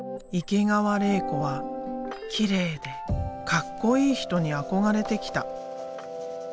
池川れい子はきれいでかっこいい人に憧れてきた。